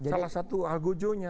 salah satu algojonya